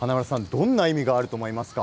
どんな意味があると思いますか？